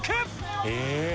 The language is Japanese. え！